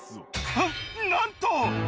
えっなんと！